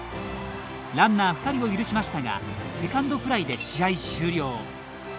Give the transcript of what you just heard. ランナー２人を許しましたがセカンドフライで試合終了。